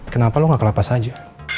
kenapa lo gak kelapas aja